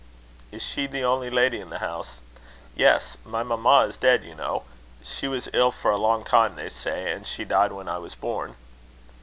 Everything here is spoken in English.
"Is she the only lady in the house?" "Yes; my mamma is dead, you know. She was ill for a long time, they say; and she died when I was born."